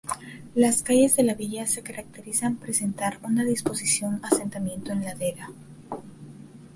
Las calles de la Villa se caracterizan presentar una disposición asentamiento en ladera.